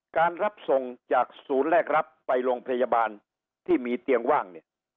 การรับส่งจากศูนย์แรกรับไปโรงพยาบาลที่มีเตียงว่างเนี่ย